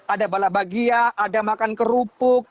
ada bala bagia ada makan kerupuk